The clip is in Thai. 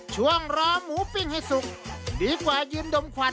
รอหมูปิ้งให้สุกดีกว่ายืนดมควัน